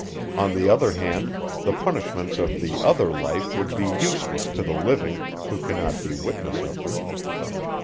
On the other hand, the punishments of the other life would be useless to the living, who cannot be witnesses of them.